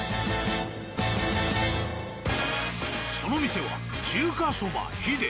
その店は「中華そば秀」。